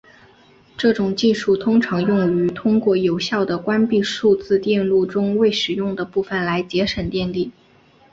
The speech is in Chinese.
这种技术经常用于通过有效地关闭数字电路中未使用的部分来节省电力。